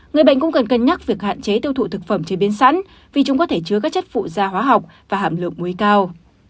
người bệnh cũng cần cân nhắc việc hạn chế tiêu thụ thực phẩm chế biến sẵn vì chúng có thể chứa các chất phụ da hóa học và hàm lượng muối cao